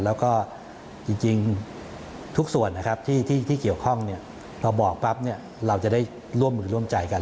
แล้วก็จริงทุกส่วนนะครับที่เกี่ยวข้องเราบอกปั๊บเราจะได้ร่วมมือร่วมใจกัน